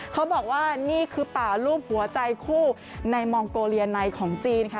เขาบอกว่านี่คือป่ารูปหัวใจคู่ในมองโกเลียในของจีนค่ะ